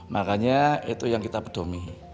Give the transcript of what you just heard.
makanya itu yang kita pedomi